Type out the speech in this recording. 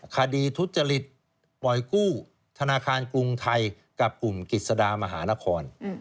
คดีทุจริตปล่อยกู้ธนาคารกรุงไทยกับกลุ่มกิจสดามหานคร